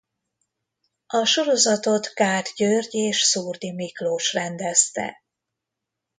A sorozatot Gát György és Szurdi Miklós rendezte.